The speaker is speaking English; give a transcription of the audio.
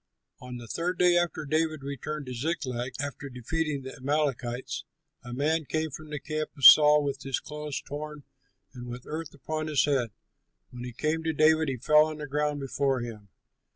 On the third day after David returned to Ziklag, after defeating the Amalekites, a man came from the camp of Saul with his clothes torn and with earth upon his head. When he came to David, he fell on the ground before him.